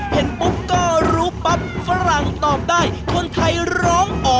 เห็นปุ๊บก็รู้ปั๊บฝรั่งตอบได้คนไทยร้องอ๋อ